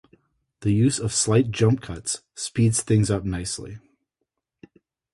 The use of slight jump cuts speeds things up nicely.